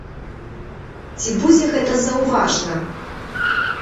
Ці будзе гэта заўважна?